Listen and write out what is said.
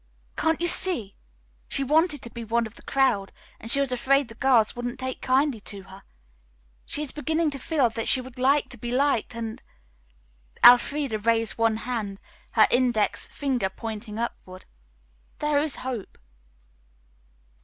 Can't you see? She wanted to be one of the crowd and she was afraid the girls wouldn't take kindly to her. She is beginning to feel that she would like to be liked, and," Elfreda raised one hand, her index finger pointing upward, "'There is hope.'"